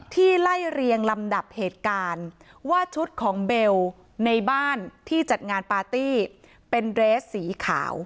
ไล่เรียงลำดับเหตุการณ์ว่าชุดของเบลในบ้านที่จัดงานปาร์ตี้เป็นเรสสีขาว